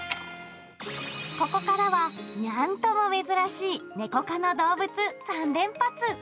ここからは、ニャンとも珍しいネコ科の動物３連発！